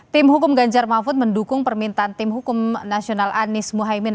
tim hukum ganjar mahfud mendukung permintaan tim hukum nasional anies mohaimin